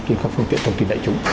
trên các phương tiện thông tin đại chúng